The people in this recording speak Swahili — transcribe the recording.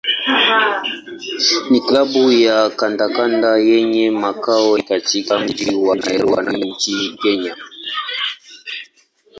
ni klabu ya kandanda yenye makao yake katika mji wa Nairobi nchini Kenya.